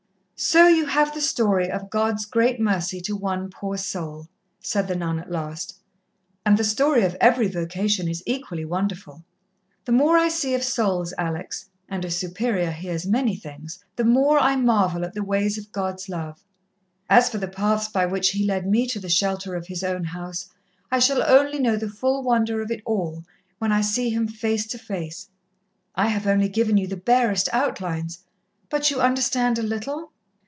"So you have the story of God's great mercy to one poor soul," said the nun at last. "And the story of every vocation is equally wonderful. The more I see of souls, Alex and a Superior hears many things the more I marvel at the ways of God's love. As for the paths by which He led me to the shelter of His own house, I shall only know the full wonder of it all when I see Him face to face. I have only given you the barest outlines, but you understand a little?"